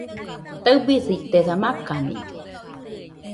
Taɨbɨsitesa , makanide